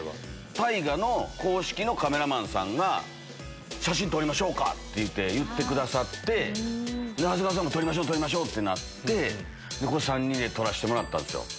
大河の公式のカメラマンさんが「写真撮りましょうか」って言ってくださって長谷川さんも撮りましょう！ってなって３人で撮らせてもらったんです。